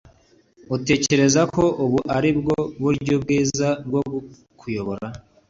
utekereza ko ubu ari bwo buryo bwiza bwo kuyobora?